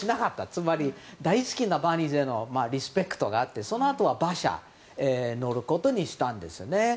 つまり大好きなバーニーズへのリスペクトがあってそのあとは馬車に乗ることにしたんですね。